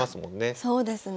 そうですね。